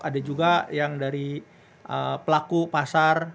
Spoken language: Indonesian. ada juga yang dari pelaku pasar